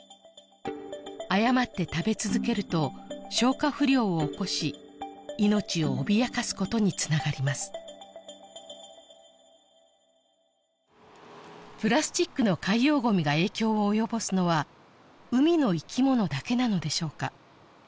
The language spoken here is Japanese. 誤って食べ続けると消化不良を起こし命を脅かすことにつながりますプラスチックの海洋ごみが影響を及ぼすのは海の生き物だけなのでしょうか